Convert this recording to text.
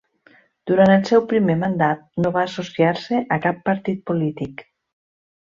Durant el seu primer mandat, no va associar-se a cap partit polític.